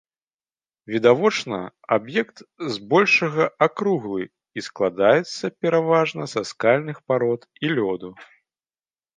Відавочна, аб'ект збольшага акруглы, і складаецца пераважна са скальных парод і лёду.